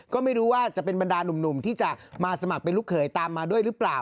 ก็ไม่รู้ว่าจะเป็นบรรดาหนุ่มที่จะมาสมัครเป็นลูกเขยตามมาด้วยหรือเปล่า